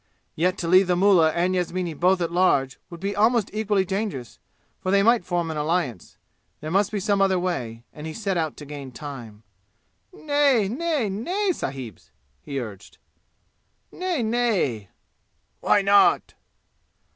Yet to leave the mullah and Yasmini both at large would be almost equally dangerous, for they might form an alliance. There must be some other way, and he set out to gain time. "Nay, nay, sahibs!" he urged. "Nay, nay!" "Why not?"